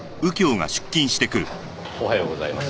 おはようございます。